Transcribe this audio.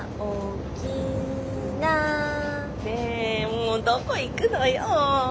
もうどこ行くのよ。